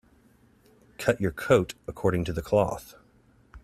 Cut your coat according to the cloth.